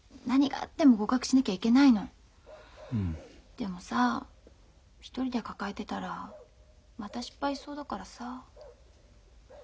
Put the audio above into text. でもさ一人で抱えてたらまた失敗しそうだからさ。